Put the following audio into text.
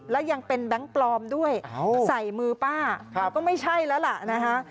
และยังเป็นแบงค์ปลอมด้วยใส่มือป้าก็ไม่ใช่แล้วล่ะนะคะ